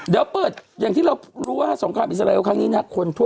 เดี๋ยวเปิดอย่างที่เรารู้ว่าสงครามอิสราเอลครั้งนี้นะคนทั่ว